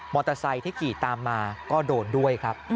มอเตอร์ไซต์ที่กี่ตามมาก็โดนด้วยครับ